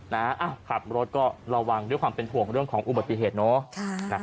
นะขับรถก็ระวังด้วยความเป็นห่วงเรื่องของอุบัติเหตุเนาะ